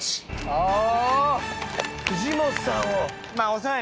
ああ。